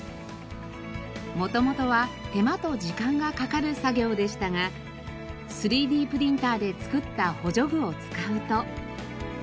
元々は手間と時間がかかる作業でしたが３Ｄプリンターで作った補助具を使うと。